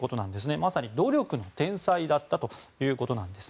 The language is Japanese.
まさに努力の天才だったということです。